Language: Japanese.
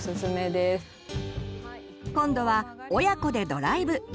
今度は親子でドライブ。